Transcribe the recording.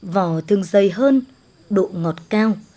vò thường dày hơn độ ngọt cao